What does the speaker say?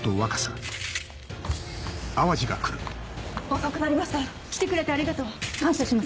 遅くなりました。来てくれてありがとう感謝します。